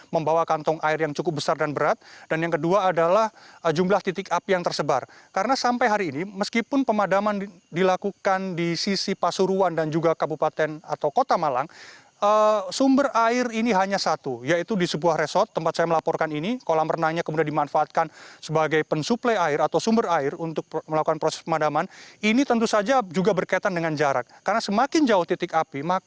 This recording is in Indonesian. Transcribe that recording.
membawa kantong air yang cukup besar dan berat dan yang kedua adalah jumlah titik api yang tersebar karena sampai hari ini meskipun pemadaman dilakukan di sisi pasuruan dan juga kabupaten atau kota malang sumber air ini hanya satu yaitu di sebuah resort tempat saya melaporkan ini kolam renangnya kemudian dimanfaatkan sebagai pensuple air atau sumber air untuk melakukan proses pemadaman ini tentu saja juga berkaitan dengan jarak karena semakin jauh titik api maka proses penerbangan dari mengambil sampai kemudian menjatuhkan air ini juga berkaitan dengan jarak